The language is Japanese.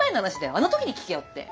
あの時に聞けよって。